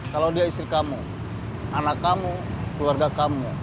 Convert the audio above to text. kalau dia istri kamu anak kamu keluarga kamu